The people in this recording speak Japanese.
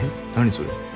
それ。